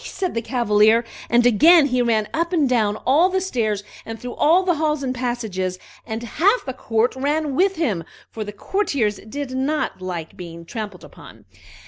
"Tsing pe!" said the Cavalier; and again he ran up and down all the stairs, and through all the halls and passages, and half the court ran with him, for the courtiers did not like being trampled upon.